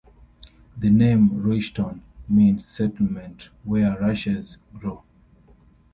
The name Ruishton means "settlement where rushes grow".